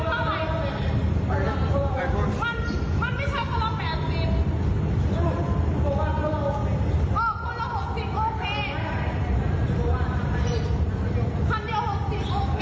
แล้วมึงเป็นใคร